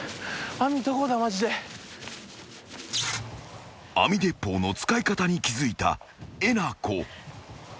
［網鉄砲の使い方に気付いたえなこ］